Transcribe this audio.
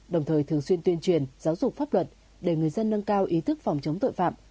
đồng thời thường xuyên tuyên truyền giáo dục pháp luật để người dân nâng cao ý thức phòng chống tội phạm